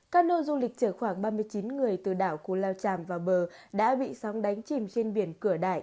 các nô du lịch chở khoảng ba mươi chín người từ đảo cú lao chàm vào bờ đã bị sóng đánh chìm trên biển cửa đại